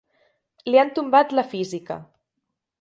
Li han tombat la física.